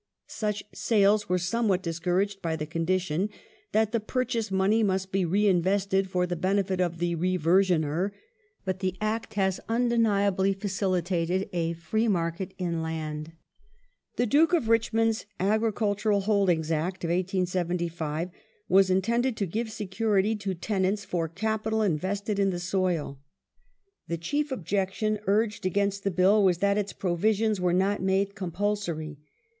Such sales were somewhat discouraged by the condition that the purchase money must be reinvested for the benefit of the reversioner, but the Act has undeniably facilitated a free market in land. The Duke of Richmond's Agricultural Holdings Act of 1875 was intended to give security to tenants for capital invested in the soil. The chief objection urged against the Bill was that its provisions were not made compulsory.